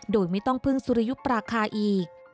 โดยไม่ต้องพึ่งสุริยุปราคาอีก